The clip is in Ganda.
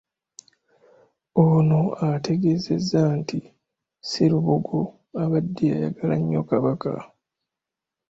Ono ategeezezza nti Sserubogo abadde ayagala nnyo Kabaka we.